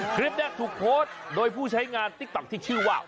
คลิปนี้ถูกโพสต์โดยผู้ใช้งานติ๊กต๊อกที่ชื่อว่า